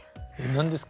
何ですか？